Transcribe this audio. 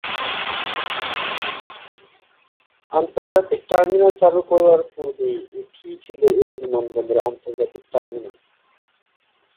আন্তর্জাতিক টার্মিনাল চালু করার পূর্বে এটিই ছিল এ বিমানবন্দরের আন্তর্জাতিক টার্মিনাল।